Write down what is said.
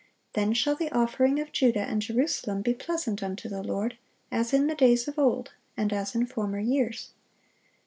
"Then shall the offering of Judah and Jerusalem be pleasant unto the Lord, as in the days of old, and as in former years."